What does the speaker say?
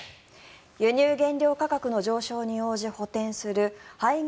輸入原料価格の上昇に応じ補てんする配合